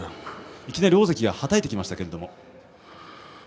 いきなり大関がはたいていきましたけれども。